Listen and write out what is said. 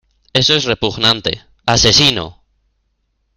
Eso es repugnante. ¡ Asesino!